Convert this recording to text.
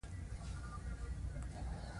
عامې روغتیا وزارت